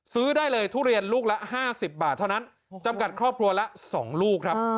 ซื้อได้เลยทุเรียนลูกละ๕๐บาทเท่านั้นจำกัดครอบครัวละ๒ลูกครับ